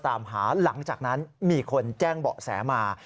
ตามหาหลังจากนั้นมีคนแจ้งเบาะแสมา